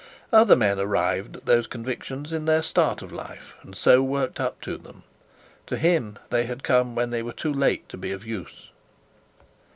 Other men arrived at those convictions in their start of life, and so worked up to them. To him they had come when they were too late to be of use.